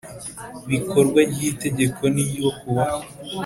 bikorwa ry itegeko n ryo kuwa